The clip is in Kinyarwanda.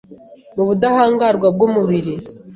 mu budahangarwa bw’umubiri,